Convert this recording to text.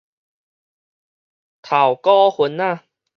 頭股份仔